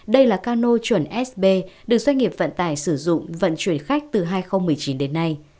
đây là cano chuẩn sb được doanh nghiệp vận tải sử dụng vận chuyển khách từ hai nghìn một mươi chín đến nay